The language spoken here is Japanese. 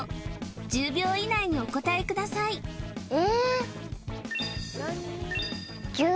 １０秒以内にお答えくださいええ